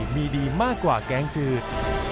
มีดีมากกว่าแกงจืด